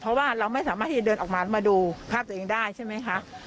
เพราะว่าเราไม่สามารถที่จะเดินออกมามาดูภาพตัวเองได้ใช่ไหมคะ